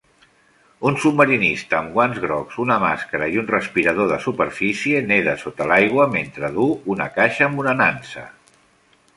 Un submarinista amb guants grocs, una màscara i un respirador de superfície neda sota l'aigua mentre duu una caixa amb una nansa.